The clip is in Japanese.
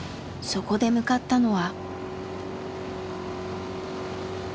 そこで向かったのは。